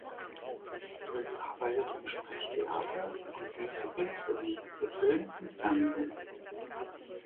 Fitz arbeitet im Sprechtheater und Musical sowie für Film und Fernsehen.